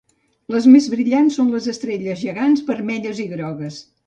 Les més brillants són estrelles gegants vermelles i grogues.